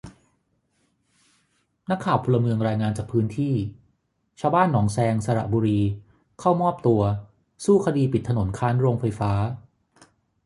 นักข่าวพลเมืองรายงานจากพื้นที่ ชาวบ้านหนองแซง สระบุรี เข้ามอบตัว สู้คดีปิดถนนค้านโรงไฟฟ้า